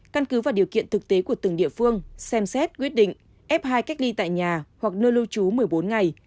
căn cứ vào điều kiện thực tế của từng địa phương xem xét quyết định f hai cách ly tại nhà hoặc nơi lưu trú một mươi bốn ngày